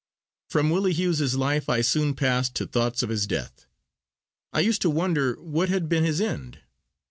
From Willie Hughes's life I soon passed to thoughts of his death. I used to wonder what had been his end.